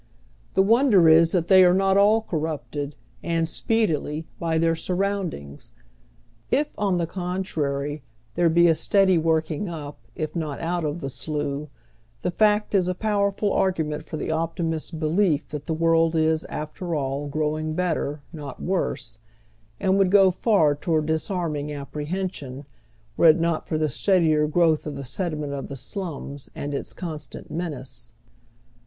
The wonder is that they are not all corrupted, and speedily, by their surroundings. If, on the contrary, there be a steady woi'king up, if not out of tlie slough, the fact is a powerful argument for the optimist's belief that the world is, after all, growing better, not worse, and would go far toward disarming apprehension, were it not for the steadier growth of the sediment of the slums and its con stant menace.